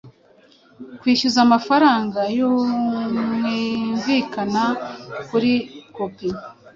kwishyuza amafaranga yumvikana kuri kopi